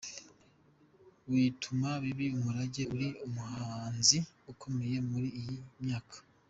Wituma biba umurage ,uri umuhanzi ukomeye muri iyi myaka.